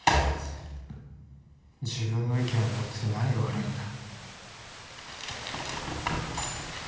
自分の意見を持ってて何が悪いんだ。